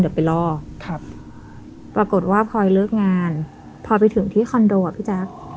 เดี๋ยวไปรอครับปรากฏว่าพลอยเลิกงานพอไปถึงที่คอนโดอ่ะพี่แจ๊ค